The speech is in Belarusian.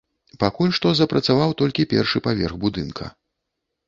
Пакуль што запрацаваў толькі першы паверх будынка.